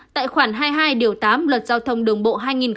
tại khoản hai mươi hai tám luật giao thông đường bộ hai nghìn tám